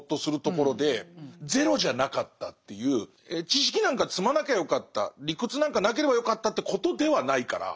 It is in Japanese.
知識なんか積まなきゃよかった理屈なんかなければよかったってことではないから。